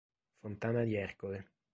Fontana di Ercole